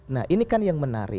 nah ini kan yang menarik